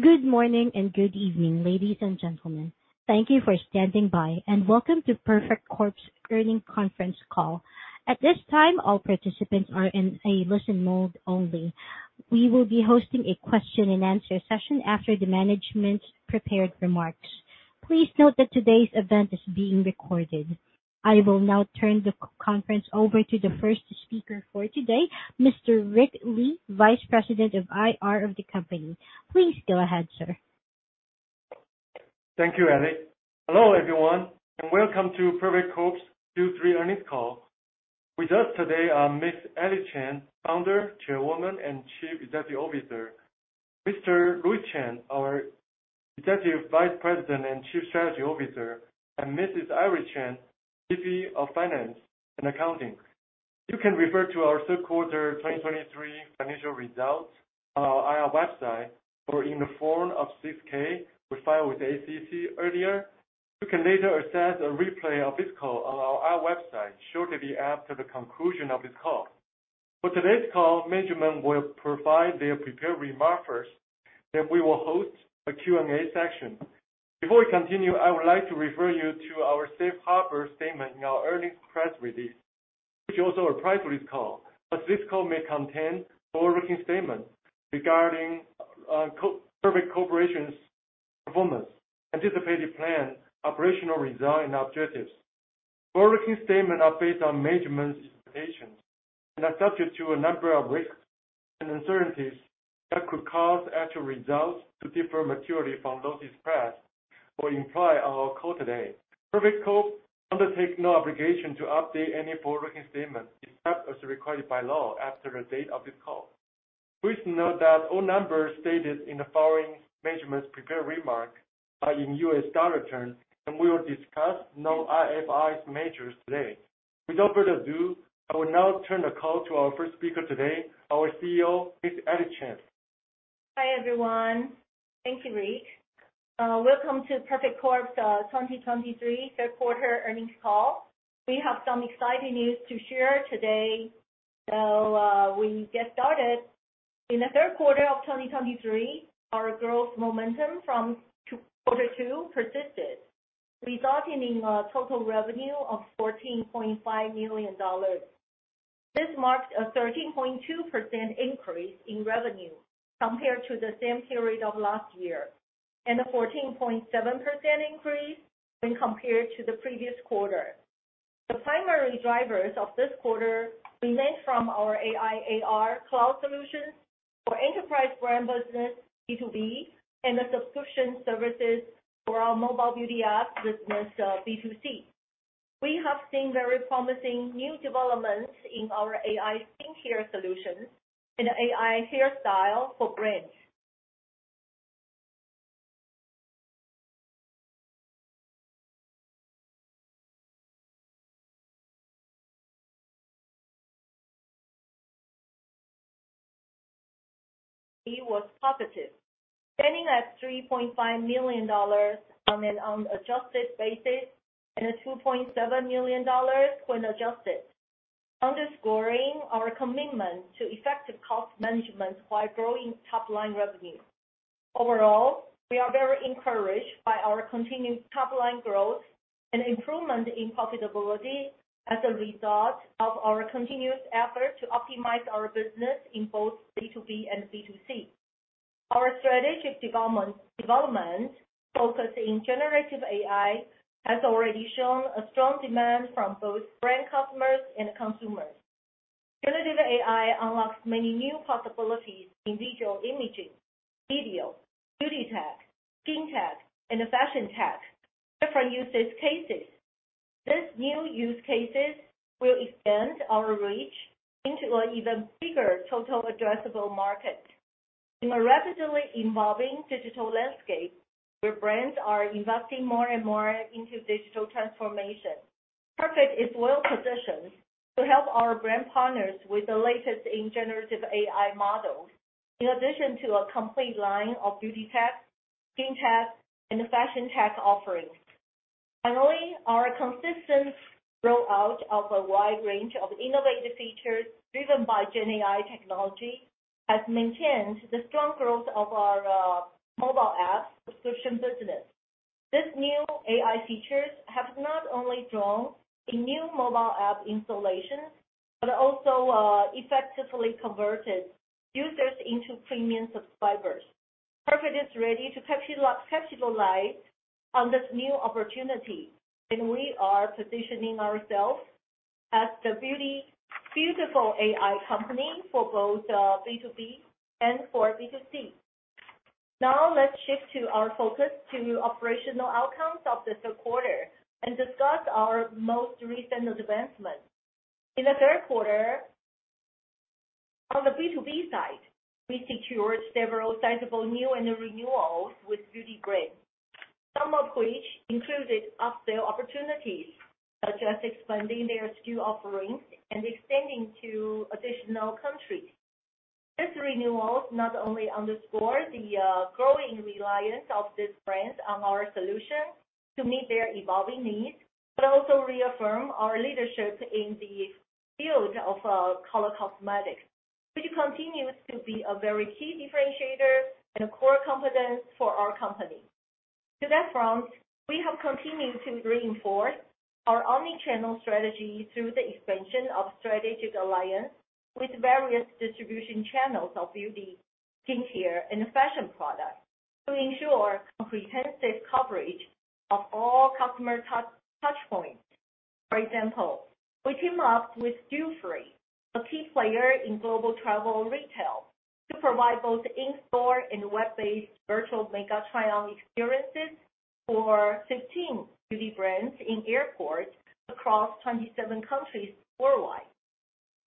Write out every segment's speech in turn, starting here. Good morning, and good evening, ladies and gentlemen. Thank you for standing by, and welcome to Perfect Corp's earnings conference call. At this time, all participants are in a listen mode only. We will be hosting a question-and-answer session after the management's prepared remarks. Please note that today's event is being recorded. I will now turn the conference over to the first speaker for today, Mr. Rick Lee, Vice President of IR of the company. Please go ahead, sir. Thank you, Ellie. Hello, everyone, and welcome to Perfect Corp's Q3 earnings call. With us today are Alice Chang, Founder, Chairwoman, and Chief Executive Officer; Mr. Louis Chen, our Executive Vice President and Chief Strategy Officer; and Mrs. Iris Chen, VP of Finance and Accounting. You can refer to our third quarter 2023 financial results on our website or in the Form 6-K we filed with the SEC earlier. You can later access a replay of this call on our website shortly after the conclusion of this call. For today's call, management will provide their prepared remarks first, then we will host a Q&A session. Before we continue, I would like to refer you to our safe harbor statement in our earnings press release, which also applies to this call, as this call may contain forward-looking statements regarding Perfect Corporation's performance, anticipated plans, operational results, and objectives. Forward-looking statements are based on management's expectations and are subject to a number of risks and uncertainties that could cause actual results to differ materially from those expressed or implied on our call today. Perfect Corp undertakes no obligation to update any forward-looking statements, except as required by law, after the date of this call. Please note that all numbers stated in the following management prepared remarks are in U.S. dollar terms, and we will discuss no non-IFRS measures today. Without further ado, I will now turn the call to our first speaker today, our CEO, Ms. Alice Chang. Hi, everyone. Thank you, Rick. Welcome to Perfect Corp's 2023 third quarter earnings call. We have some exciting news to share today, so we get started. In the third quarter of 2023, our growth momentum from quarter two persisted, resulting in a total revenue of $14.5 million. This marked a 13.2% increase in revenue compared to the same period of last year, and a 14.7% increase when compared to the previous quarter. The primary drivers of this quarter remained from our AI/AR cloud solutions for enterprise brand business, B2B, and the subscription services for our mobile beauty app business, B2C. We have seen very promising new developments in our AI skin care solutions and AI hairstyle for brands. It was positive, standing at $3.5 million on an unadjusted basis and at $2.7 million when adjusted, underscoring our commitment to effective cost management while growing top-line revenue. Overall, we are very encouraged by our continued top-line growth and improvement in profitability as a result of our continuous effort to optimize our business in both B2B and B2C. Our strategic development focusing Generative AI has already shown a strong demand from both brand customers and consumers. Generative AI unlocks many new possibilities in visual imaging, video, beauty tech, skin tech, and fashion tech, different use cases. These new use cases will extend our reach into an even bigger total addressable market. In a rapidly evolving digital landscape, where brands are investing more and more into digital transformation, Perfect is well positioned to help our brand partners with the latest in generative AI models, in addition to a complete line of beauty tech, skin tech, and fashion tech offerings. Finally, our consistent rollout of a wide range of innovative features driven by Gen AI technology has maintained the strong growth of our mobile app subscription business. These new AI features have not only drawn in new mobile app installations, but also effectively converted users into premium subscribers. Perfect is ready to capitalize, capitalize on this new opportunity, and we are positioning ourselves as the beauty- beautiful AI company for both B2B and for B2C. Now, let's shift to our focus to operational outcomes of the third quarter and discuss our most recent advancements. In the third quarter, on the B2B side, we secured several sizable new and renewals with beauty brands. Some of which included up-sale opportunities, such as expanding their SKU offerings and extending to additional countries. These renewals not only underscore the growing reliance of these brands on our solutions to meet their evolving needs, but also reaffirm our leadership in the field of color cosmetics, which continues to be a very key differentiator and a core competence for our company. To that front, we have continued to reinforce our omni-channel strategy through the expansion of strategic alliance with various distribution channels of beauty, skincare, and fashion products, to ensure comprehensive coverage of all customer touchpoints. For example, we team up with Dufry, a key player in global travel retail, to provide both in-store and web-based virtual makeup trial experiences for 15 beauty brands in airports across 27 countries worldwide.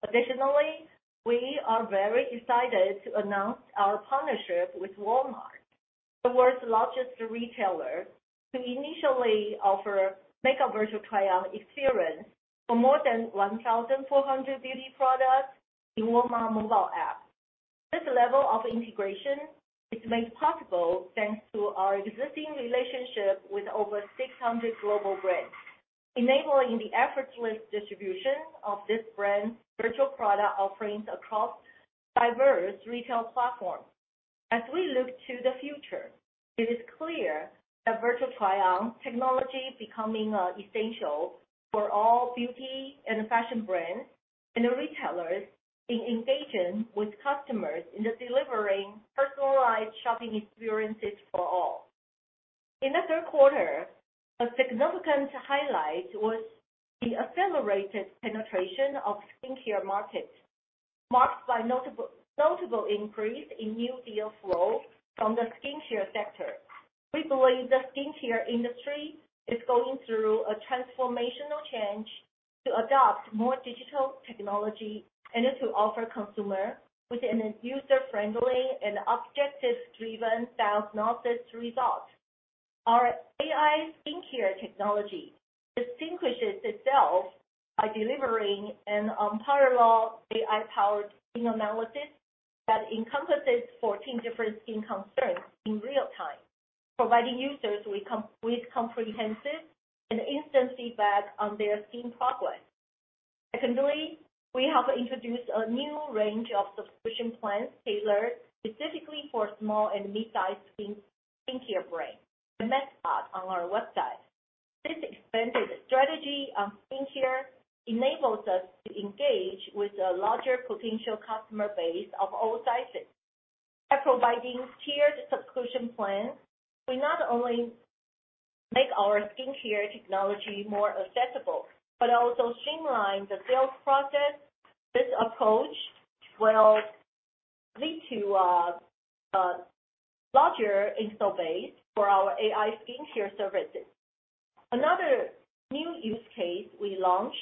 Additionally, we are very excited to announce our partnership with Walmart, the world's largest retailer, to initially offer makeup virtual try-on experience for more than 1,400 beauty products in Walmart mobile app. This level of integration is made possible, thanks to our existing relationship with over 600 global brands, enabling the effortless distribution of this brand's virtual product offerings across diverse retail platforms. As we look to the future, it is clear that virtual try-on technology is becoming essential for all beauty and fashion brands and the retailers in engaging with customers in the delivering personalized shopping experiences for all. In the third quarter, a significant highlight was the accelerated penetration of skincare markets, marked by notable, notable increase in new deal flow from the skincare sector. We believe the skincare industry is going through a transformational change to adopt more digital technology, and it will offer consumer with a user-friendly and objective-driven diagnosis result. Our AI skincare technology distinguishes itself by delivering an unparalleled AI-powered skin analysis that encompasses 14 different skin concerns in real time, providing users with complete, comprehensive, and instant feedback on their skin progress. Secondly, we have introduced a new range of subscription plans tailored specifically for small and mid-sized skin, skincare brands, and that's on our website. This expanded strategy on skincare enables us to engage with a larger potential customer base of all sizes. By providing tiered subscription plans, we not only make our skincare technology more accessible, but also streamline the sales process. This approach will lead to a larger install base for our AI skincare services. Another new use case we launched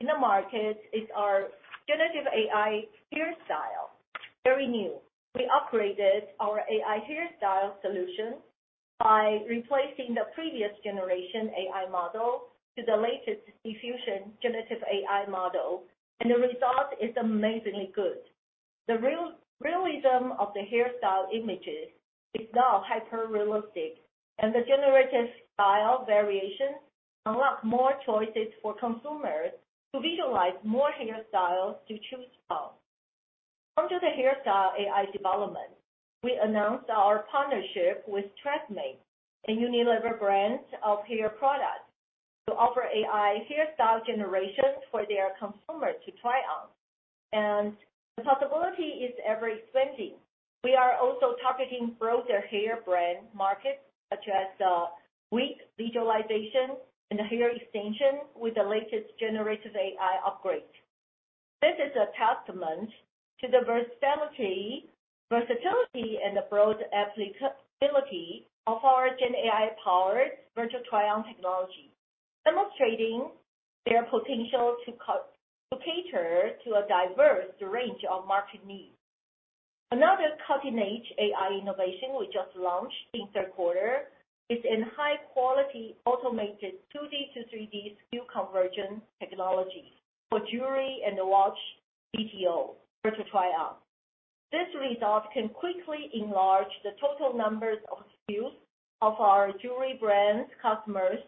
in the market is our generative AI hairstyle. Very new. We upgraded our AI hairstyle solution by replacing the previous generation AI model to the latest diffusion generative AI model, and the result is amazingly good. The realism of the hairstyle images is now hyper-realistic, and the generated style variations unlock more choices for consumers to visualize more hairstyles to choose from. Under the hairstyle AI development, we announced our partnership with TRESemmé, a Unilever brand of hair products, to offer AI hairstyle generations for their consumers to try on, and the possibility is ever-expanding. We are also targeting broader hair brand markets, such as wig visualization and hair extension with the latest generative AI upgrade. This is a testament to the versatility and the broad applicability of our Gen AI-powered virtual try-on technology, demonstrating their potential to cater to a diverse range of market needs. Another cutting-edge AI innovation we just launched in third quarter is high quality, automated 2D to 3D SKU conversion technology for jewelry and watch VTO, virtual try-on. This result can quickly enlarge the total numbers of SKUs of our jewelry brands customers;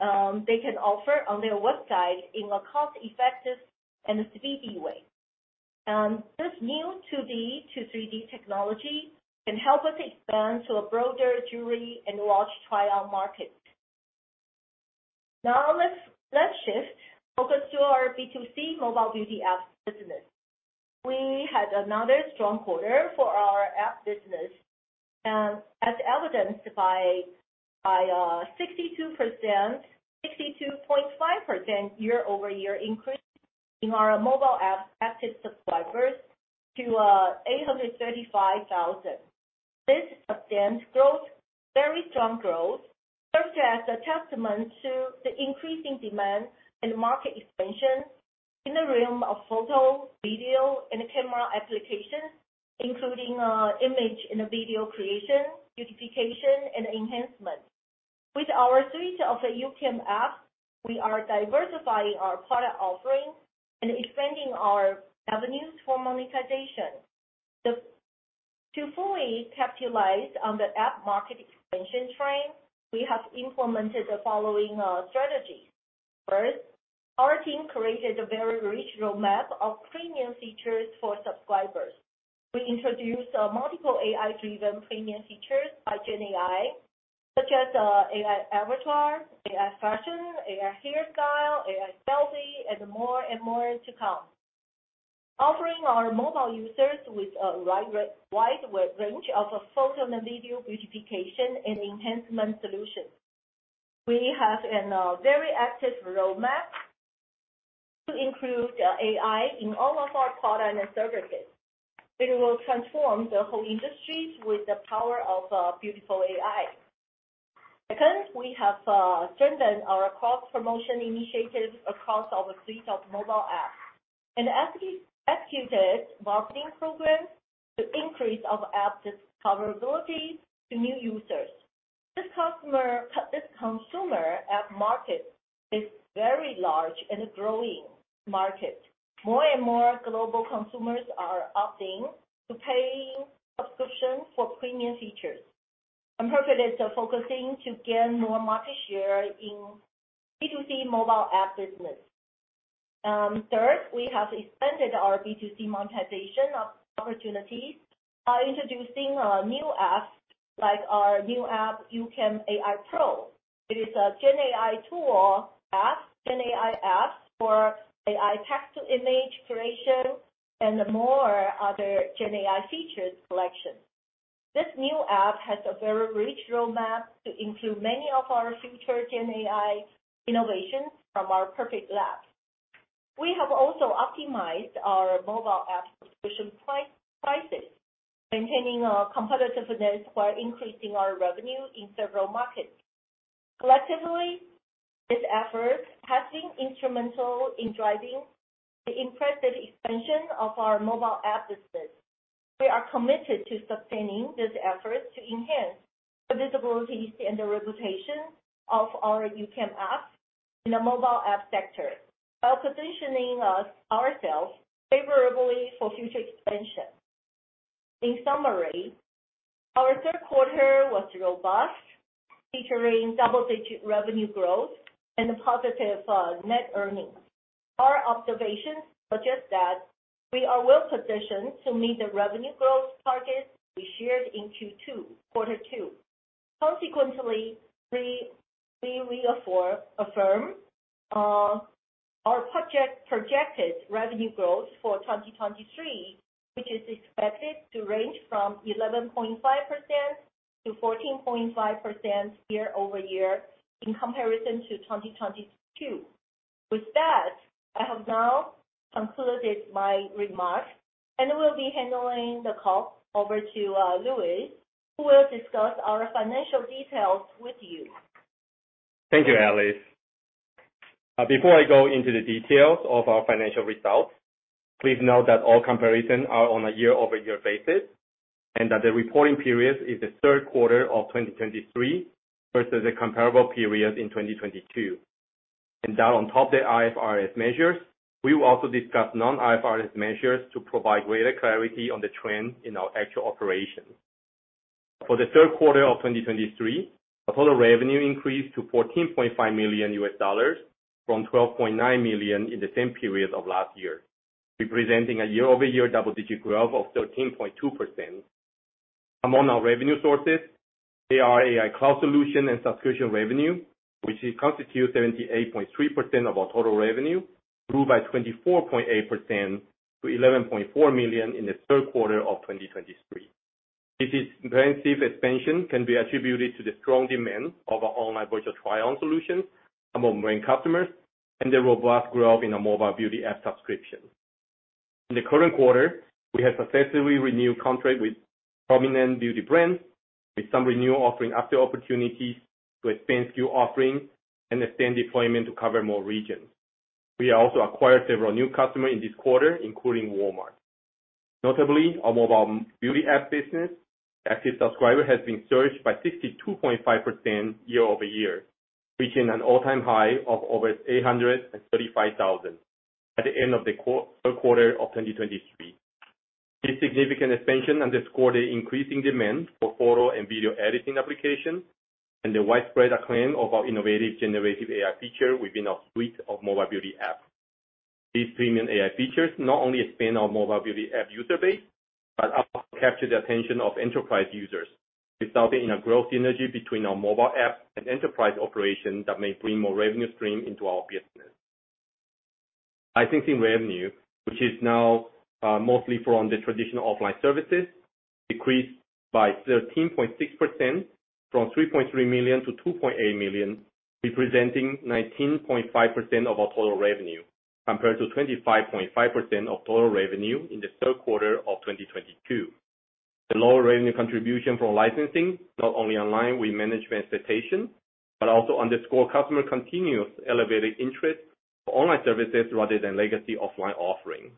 they can offer on their website in a cost-effective and speedy way. And this new 2D to 3D technology can help us expand to a broader jewelry and watch try-on market. Now, let's shift focus to our B2C mobile beauty app business. We had another strong quarter for our app business, and as evidenced by 62.5% year-over-year increase in our mobile app active subscribers to 835,000. This substantial growth, very strong growth, serves as a testament to the increasing demand and market expansion in the realm of photo, video, and camera applications, including image and video creation, beautification, and enhancement. With our suite of YouCam apps, we are diversifying our product offerings and expanding our avenues for monetization. To fully capitalize on the app market expansion trend, we have implemented the following strategies. First, our team created a very rich roadmap of premium features for subscribers. We introduced multiple AI-driven premium features by GenAI, such as AI avatar, AI fashion, AI hairstyle, AI selfie, and more and more to come. Offering our mobile users with a wide range of photo and video beautification and enhancement solutions. We have a very active roadmap to include AI in all of our product and services. It will transform the whole industry with the power of beautiful AI. Second, we have strengthened our cross-promotion initiatives across our suite of mobile apps, and executed marketing programs to increase of app discoverability to new users. This consumer app market is very large and growing market. More and more global consumers are opting to paying subscription for premium features. Perfect is focusing to gain more market share in B2C mobile app business. Third, we have expanded our B2C monetization opportunities by introducing new apps, like our new app, YouCam AI Pro. It is a GenAI tool app, GenAI app for AI text-to-image creation and more other GenAI features collection. This new app has a very rich roadmap to include many of our future GenAI innovations from our Perfect lab. We have also optimized our mobile app subscription price, prices, maintaining, competitiveness while increasing our revenue in several markets. Collectively, this effort has been instrumental in driving the impressive expansion of our mobile app business. We are committed to sustaining this effort to enhance the visibility and the reputation of our YouCam app in the mobile app sector, while positioning us- ourselves favorably for future expansion. In summary, our third quarter was robust, featuring double-digit revenue growth and positive, net earnings. Our observations suggest that we are well positioned to meet the revenue growth targets we shared in Q2, quarter two. Consequently, we reaffirm our projected revenue growth for 2023, which is expected to range from 11.5%-14.5% year-over-year in comparison to 2022. With that, I have now concluded my remarks, and I will be handing the call over to Louis, who will discuss our financial details with you. Thank you, Alice. Before I go into the details of our financial results, please note that all comparison are on a year-over-year basis, and that the reporting period is the third quarter of 2023 versus the comparable period in 2022. And that on top the IFRS measures, we will also discuss non-IFRS measures to provide greater clarity on the trend in our actual operations. For the third quarter of 2023, the total revenue increased to $14.5 million from $12.9 million in the same period of last year, representing a year-over-year double-digit growth of 13.2%. Among our revenue sources are AI cloud solution and subscription revenue, which constitutes 78.3% of our total revenue, grew by 24.8% to $11.4 million in the third quarter of 2023. This comprehensive expansion can be attributed to the strong demand of our online virtual try-on solutions among brand customers and the robust growth in our mobile beauty app subscription. In the current quarter, we have successfully renewed contracts with prominent beauty brands, with some renewals offering additional opportunities to expand SKU offerings and extend deployment to cover more regions. We also acquired several new customers in this quarter, including Walmart. Notably, our mobile beauty app business active subscribers has surged by 62.5% year-over-year, reaching an all-time high of over 835,000 at the end of the third quarter of 2023. This significant expansion underscores the increasing demand for photo and video editing applications, and the widespread acclaim of our innovative generative AI feature within our suite of mobile beauty apps. These premium AI features not only expand our mobile beauty app user base, but also capture the attention of enterprise users, resulting in a growth synergy between our mobile app and enterprise operation that may bring more revenue stream into our business. Licensing revenue, which is now mostly from the traditional offline services, decreased by 13.6% from $3.3 million to $2.8 million, representing 19.5% of our total revenue, compared to 25.5% of total revenue in the third quarter of 2022. The lower revenue contribution from licensing, not only online, we manage transportation, but also underscore customer continuous elevated interest for online services rather than legacy offline offerings.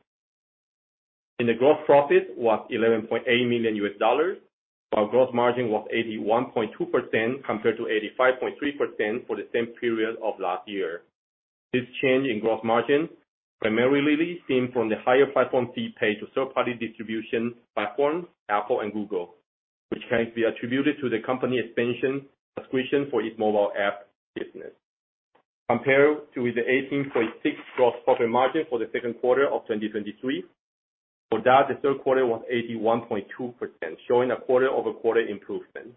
The gross profit was $11.8 million. Our gross margin was 81.2% compared to 85.3% for the same period of last year. This change in gross margin primarily seen from the higher platform fee paid to third-party distribution platforms, Apple and Google, which can be attributed to the company expansion subscription for its mobile app business. Compared to the 18.6 gross profit margin for the second quarter of 2023, for that, the third quarter was 81.2%, showing a quarter-over-quarter improvement.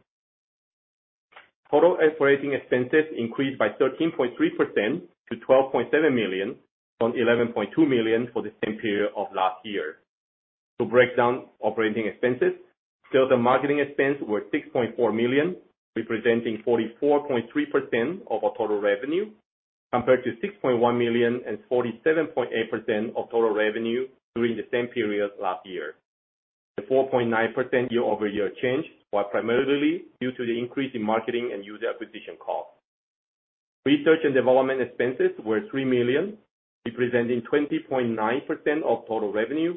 Total operating expenses increased by 13.3% to $12.7 million from $11.2 million for the same period of last year. To break down operating expenses, sales and marketing expense were $6.4 million, representing 44.3% of our total revenue, compared to $6.1 million and 47.8% of total revenue during the same period last year. The 4.9% year-over-year change was primarily due to the increase in marketing and user acquisition costs. Research and development expenses were $3 million, representing 20.9% of total revenue,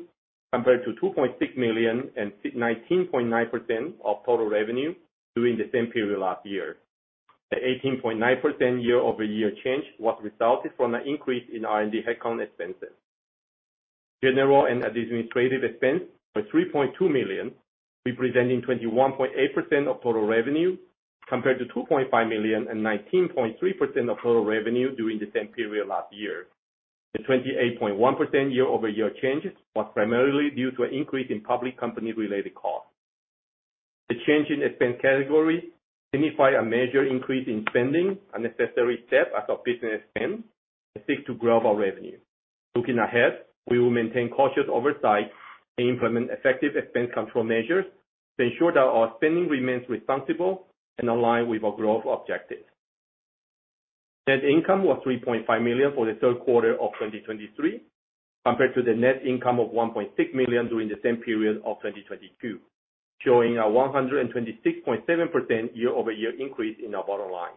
compared to $2.6 million and 16.9% of total revenue during the same period last year. The 18.9% year-over-year change was resulted from an increase in R&D headcount expenses. General and administrative expense was $3.2 million, representing 21.8% of total revenue, compared to $2.5 million and 19.3% of total revenue during the same period last year. The 28.1% year-over-year change was primarily due to an increase in public company-related costs. The change in expense category signify a major increase in spending, a necessary step as our business expands to seek to grow our revenue. Looking ahead, we will maintain cautious oversight and implement effective expense control measures to ensure that our spending remains responsible and aligned with our growth objectives. Net income was $3.5 million for the third quarter of 2023, compared to the net income of $1.6 million during the same period of 2022, showing a 126.7% year-over-year increase in our bottom line.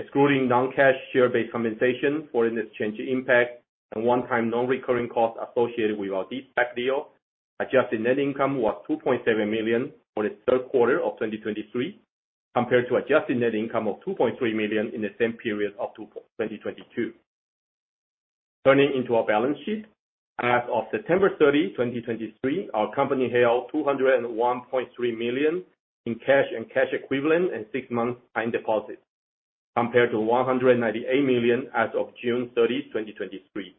Excluding non-cash share-based compensation, foreign exchange impact, and one-time non-recurring costs associated with our de-SPAC deal, adjusted net income was $2.7 million for the third quarter of 2023, compared to adjusted net income of $2.3 million in the same period of 2022. Turning to our balance sheet. As of September 30, 2023, our company held $201.3 million in cash and cash equivalents and six-month time deposits, compared to $198 million as of June 30, 2023,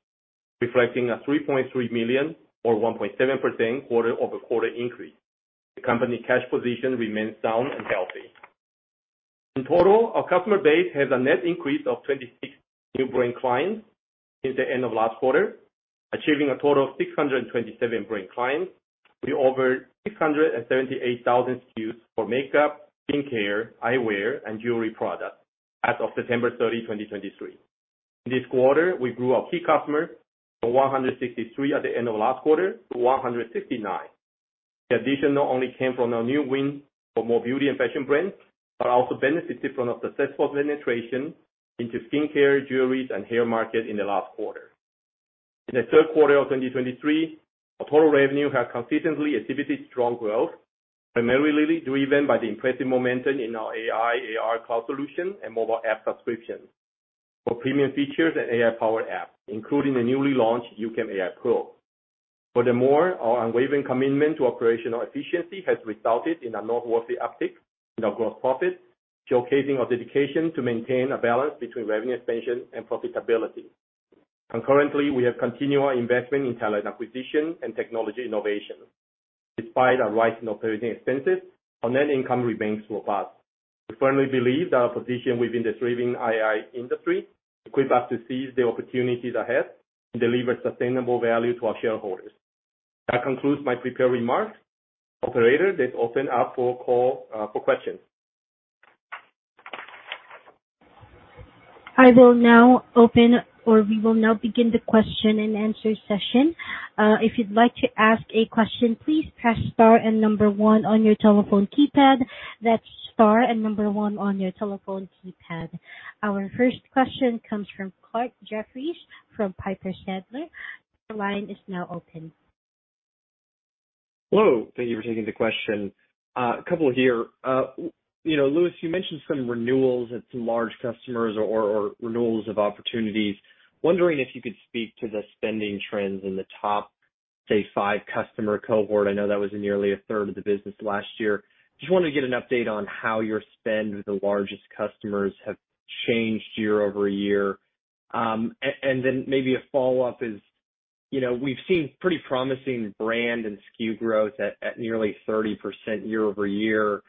reflecting a $3.3 million or 1.7% quarter-over-quarter increase. The company's cash position remains sound and healthy. In total, our customer base has a net increase of 26 new brand clients since the end of last quarter, achieving a total of 627 brand clients with over 678,000 SKUs for makeup, skincare, eyewear, and jewelry products as of September 30, 2023. This quarter, we grew our key customers from 163 at the end of last quarter to 159. The addition not only came from our new win for more beauty and fashion brands, but also benefited from a successful penetration into skincare, jewelry, and hair market in the last quarter. In the third quarter of 2023, our total revenue has consistently exhibited strong growth, primarily driven by the impressive momentum in our AI/AR, cloud solution and mobile app subscriptions for premium features and AI-powered apps, including the newly launched YouCam AI Pro. Furthermore, our unwavering commitment to operational efficiency has resulted in a noteworthy uptick in our gross profit, showcasing our dedication to maintain a balance between revenue expansion and profitability. Concurrently, we have continued our investment in talent acquisition and technology innovation. Despite a rise in operating expenses, our net income remains robust. We firmly believe that our position within the thriving AI industry equips us to seize the opportunities ahead and deliver sustainable value to our shareholders. That concludes my prepared remarks. Operator, let's open up for call for questions. I will now open, or we will now begin the question-and-answer session. If you'd like to ask a question, please press star and number one on your telephone keypad. That's star and number one on your telephone keypad. Our first question comes from Clarke Jeffries from Piper Sandler. The line is now open. Hello. Thank you for taking the question. A couple here. You know, Louis, you mentioned some renewals at some large customers or renewals of opportunities. Wondering if you could speak to the spending trends in the top, say, five customer cohort. I know that was nearly a third of the business last year. Just wanted to get an update on how your spend with the largest customers have changed year-over-year. And then maybe a follow-up is, you know, we've seen pretty promising brand and SKU growth at nearly 30% year-over-year,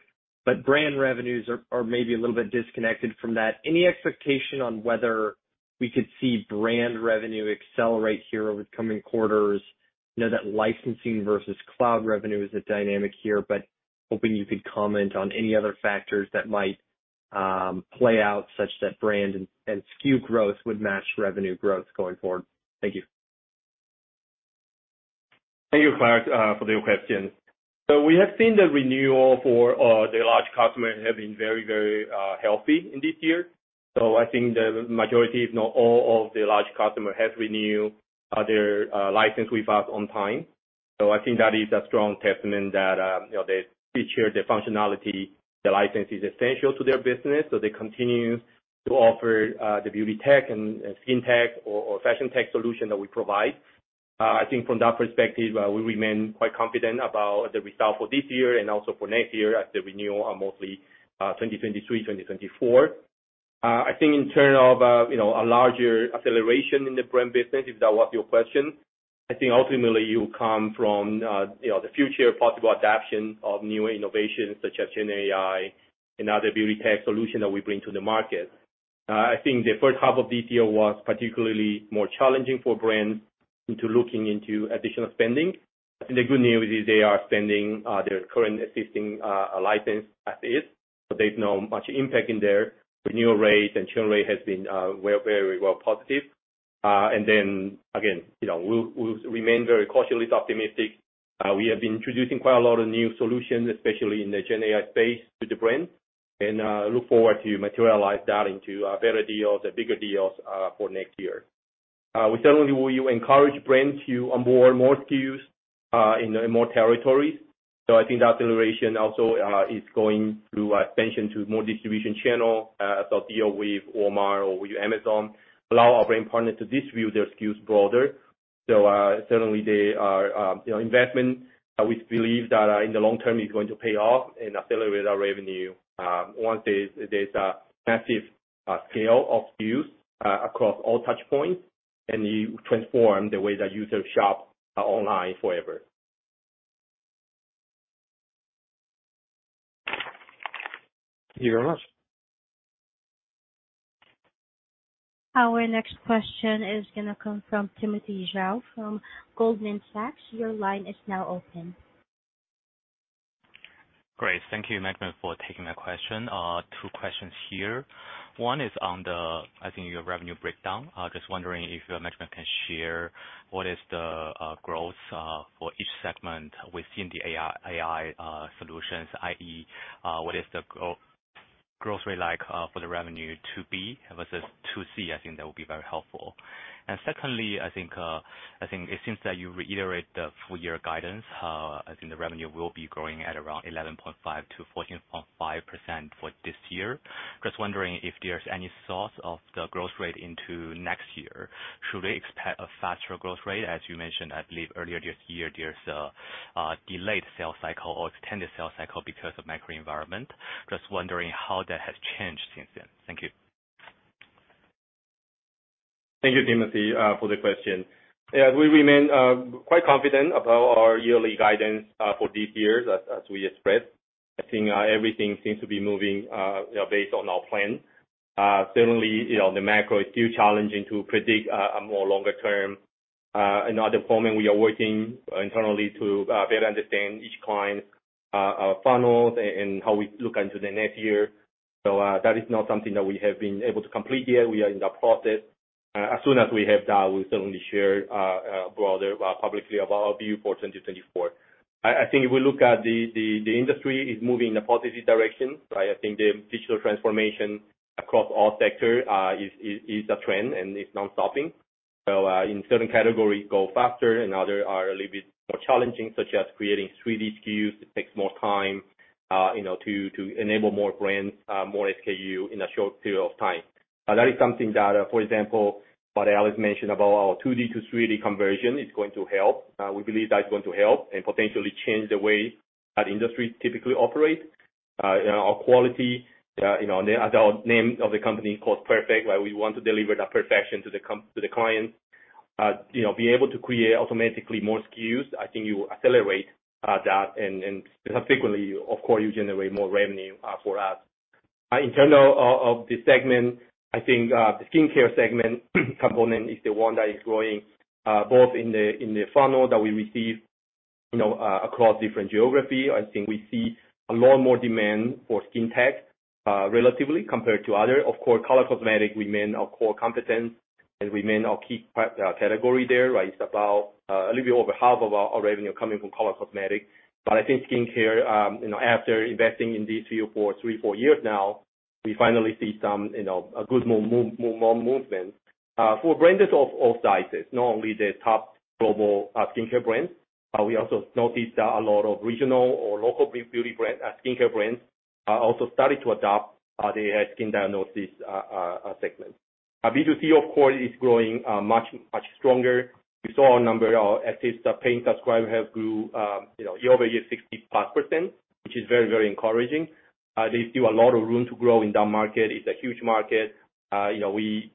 but brand revenues are maybe a little bit disconnected from that. Any expectation on whether we could see brand revenue accelerate here over the coming quarters? I know that licensing versus cloud revenue is a dynamic here, but hoping you could comment on any other factors that might play out such that brand and SKU growth would match revenue growth going forward. Thank you. Thank you, Clarke, for your question. So we have seen the renewal for the large customer have been very, very healthy in this year. So I think the majority, if not all of the large customer, have renewed their license with us on time. So I think that is a strong testament that, you know, they feature the functionality, the license is essential to their business, so they continue to offer the beauty tech and skin tech or fashion tech solution that we provide. I think from that perspective, we remain quite confident about the result for this year and also for next year, as the renewal are mostly 2023, 2024. I think in terms of, you know, a larger acceleration in the brand business, if that was your question, I think ultimately you come from, you know, the future possible adoption of new innovations such as Gen AI and other beauty tech solutions that we bring to the market. I think the first half of this year was particularly more challenging for brands into looking into additional spending. I think the good news is they are spending, their current existing, license as is, so there's no much impact in their renewal rates, and churn rate has been, very, very well positive. And then again, you know, we'll, we'll remain very cautiously optimistic. We have been introducing quite a lot of new solutions, especially in the Gen AI space, to the brand, and look forward to materialize that into better deals and bigger deals for next year. We certainly will encourage brands to onboard more SKUs in more territories. So I think that acceleration also is going through expansion to more distribution channel so deal with Walmart or with Amazon allow our brand partners to distribute their SKUs broader. So certainly they are, you know, investment. We believe that in the long term is going to pay off and accelerate our revenue once there's a massive scale of SKUs across all touch points, and you transform the way that users shop online forever. Our next question is gonna come from Timothy Zhao from Goldman Sachs. Your line is now open. Great. Thank you, management, for taking my question. Two questions here. One is on the, I think, your revenue breakdown. Just wondering if management can share what is the growth for each segment within the AI solutions, i.e., what is the growth rate like for the revenue B2B versus B2C? I think that would be very helpful. And secondly, I think it seems that you reiterate the full year guidance. I think the revenue will be growing at around 11.5%-14.5% for this year. Just wondering if there's any thoughts of the growth rate into next year. Should we expect a faster growth rate, as you mentioned? I believe earlier this year, there's a delayed sales cycle or extended sales cycle because of macro environment. Just wondering how that has changed since then. Thank you. Thank you, Timothy, for the question. Yeah, we remain quite confident about our yearly guidance for this year, as we expressed. I think everything seems to be moving, you know, based on our plan. Certainly, you know, the macro is still challenging to predict a more longer term. In our department, we are working internally to better understand each client's funnels and how we look into the next year. So that is not something that we have been able to complete yet. We are in the process. As soon as we have that, we'll certainly share broader publicly about our view for 2024. I think if we look at the industry is moving in a positive direction, right? I think the digital transformation across all sectors is a trend and is non-stopping. So in certain categories go faster and others are a little bit more challenging, such as creating 3D SKUs. It takes more time, you know, to enable more brands, more SKUs in a short period of time. But that is something that, for example, what Alice mentioned about our 2D to 3D conversion is going to help. We believe that's going to help and potentially change the way that industries typically operate. Our quality, you know, as our name of the company Perfect Corp, we want to deliver that perfection to the clients. You know, be able to create automatically more SKUs, I think you accelerate that and, significantly, of course, you generate more revenue for us. In terms of, of the segment, I think, the skincare segment component is the one that is growing, both in the, in the funnel that we receive, you know, across different geography. I think we see a lot more demand for skin tech, relatively compared to other. Of course, color cosmetic remain our core competence and remain our key category there, right? It's about, a little bit over half of our, our revenue coming from color cosmetic. But I think skincare, you know, after investing in this 3 or 4 years now, we finally see some, you know, a good movement, for brands of all sizes, not only the top global, skincare brands, we also noticed a lot of regional or local beauty brand, skincare brands, also started to adopt, the skin diagnosis segment. B2C, of course, is growing, much, much stronger. We saw a number of active paying subscribers have grew, you know, over 60%+, which is very, very encouraging. There's still a lot of room to grow in that market. It's a huge market. You know, we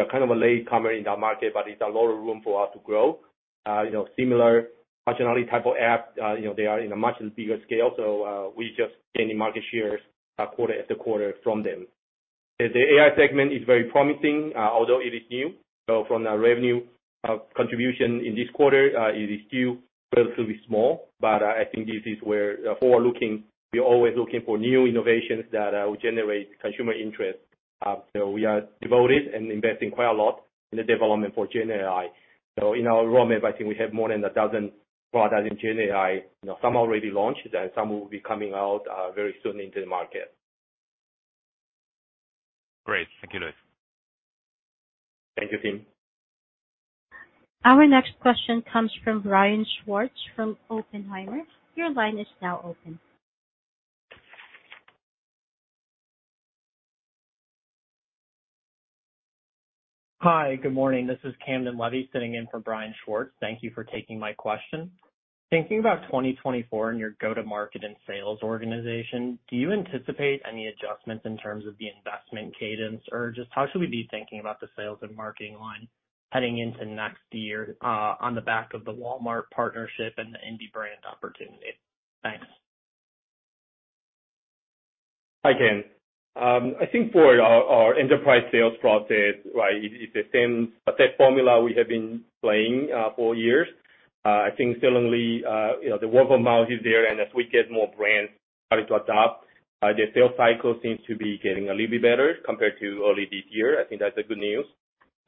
are kind of a late comer in that market, but it's a lot of room for us to grow. You know, similar functionality type of app, you know, they are in a much bigger scale, so we just gaining market shares, quarter after quarter from them. The AI segment is very promising, although it is new, so from the revenue, contribution in this quarter, it is still relatively small, but, I think this is where forward looking. We're always looking for new innovations that, will generate consumer interest. So we are devoted and investing quite a lot in the development for Gen AI. So in our roadmap, I think we have more than a dozen products in Gen AI. You know, some already launched, and some will be coming out, very soon into the market. Great. Thank you, Louis. Thank you, Tim. Our next question comes from Brian Schwartz from Oppenheimer. Your line is now open. Hi, good morning. This is Camden Levy sitting in for Brian Schwartz. Thank you for taking my question. Thinking about 2024 and your go-to-market and sales organization, do you anticipate any adjustments in terms of the investment cadence? Or just how should we be thinking about the sales and marketing line heading into next year, on the back of the Walmart partnership and the indie brand opportunity? Thanks. Hi, Cam. I think for our enterprise sales process, right, it's the same, but that formula we have been playing for years. I think certainly, you know, the word of mouth is there, and as we get more brands starting to adopt, the sales cycle seems to be getting a little bit better compared to early this year. I think that's the good news.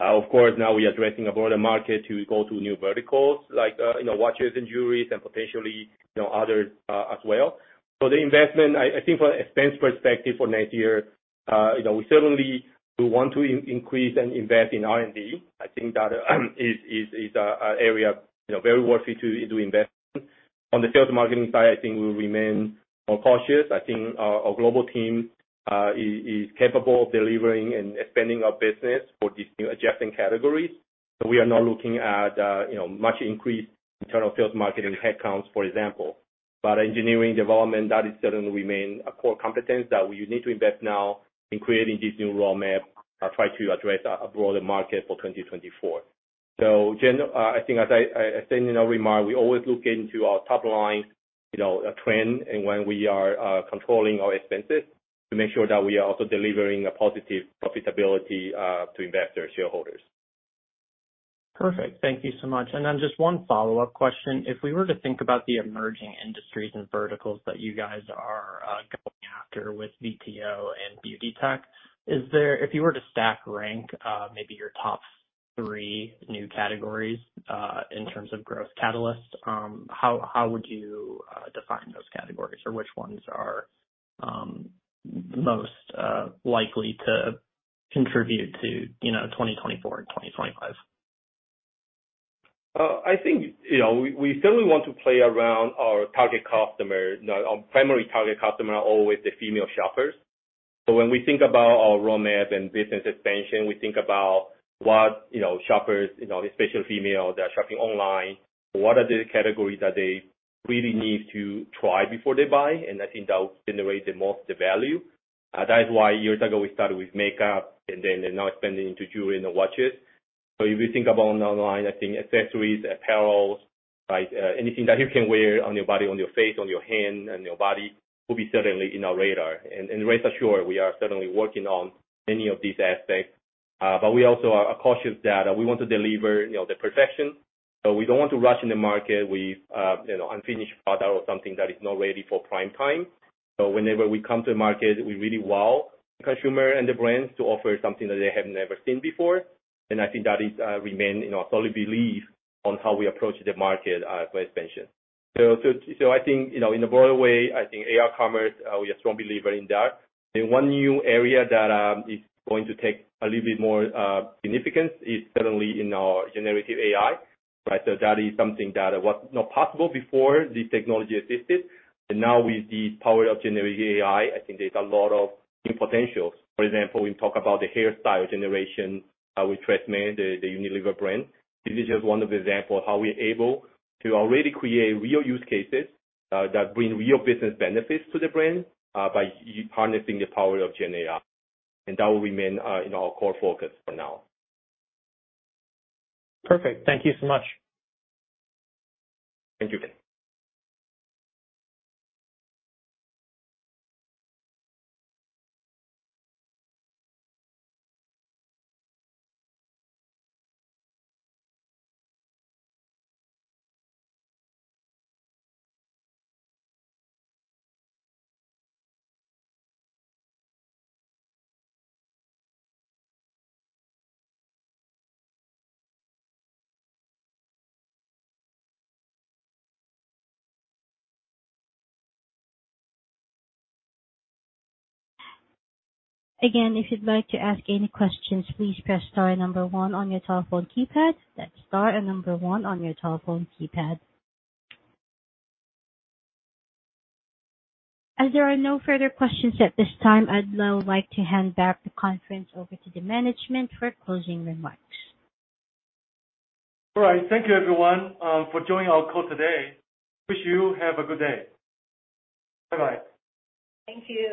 Of course, now we are addressing a broader market to go to new verticals like, you know, watches and jewelries and potentially, you know, other, as well. So the investment, I think from an expense perspective for next year, you know, we certainly want to increase and invest in R&D. I think that is a area, you know, very worthy to invest. On the sales and marketing side, I think we remain more cautious. I think our global team is capable of delivering and expanding our business for these new adjusting categories. So we are not looking at, you know, much increased internal sales marketing headcounts, for example. But engineering development, that is certainly remain a core competence that we need to invest now in creating this new roadmap or try to address a broader market for 2024. So I think as I said in our remark, we always look into our top line, you know, a trend and when we are controlling our expenses, to make sure that we are also delivering a positive profitability to investors, shareholders. Perfect. Thank you so much. Then just one follow-up question. If we were to think about the emerging industries and verticals that you guys are going after with VTO and beauty tech, is there, if you were to stack rank maybe your top three new categories in terms of growth catalysts, how would you define those categories? Or which ones are most likely to contribute to, you know, 2024 and 2025? I think, you know, we certainly want to play around our target customer. Now, our primary target customer are always the female shoppers. So when we think about our roadmap and business expansion, we think about what, you know, shoppers, you know, especially female, they are shopping online, what are the categories that they really need to try before they buy? And I think that will generate the most value. That is why years ago we started with makeup and then, and now expanding into jewelry and the watches. So if you think about online, I think accessories, apparels, like, anything that you can wear on your body, on your face, on your hand, on your body, will be certainly in our radar. And rest assured, we are certainly working on many of these aspects. But we also are cautious that we want to deliver, you know, the perfection. So we don't want to rush in the market with, you know, unfinished product or something that is not ready for prime time. So whenever we come to the market, we really wow consumer and the brands to offer something that they have never seen before. And I think that is remain in our solid belief on how we approach the market for expansion. So I think, you know, in a broader way, I think AR commerce we are strong believer in that. In one new area that is going to take a little bit more significance is certainly in our generative AI, right? So that is something that was not possible before this technology existed. And now with the power of Generative AI, I think there's a lot of new potential. For example, we talk about the hairstyle generation with TRESemmé, the Unilever brand. This is just one of the example of how we're able to already create real use cases that bring real business benefits to the brand by harnessing the power of Gen AI. And that will remain in our core focus for now. Perfect. Thank you so much. Thank you, Cam. Again, if you'd like to ask any questions, please press star and number one on your telephone keypad. That's star and number one on your telephone keypad. As there are no further questions at this time, I'd now like to hand back the conference over to the management for closing remarks. All right. Thank you, everyone, for joining our call today. Wish you have a good day. Bye-bye. Thank you.